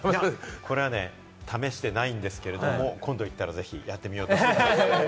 これは試してないんですけれど、今度行ったらぜひやってみようと思っています。